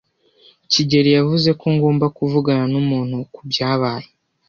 kigeli yavuze ko ngomba kuvugana numuntu kubyabaye.